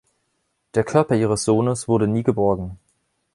Der Körper ihres Sohnes wurde nie geborgen.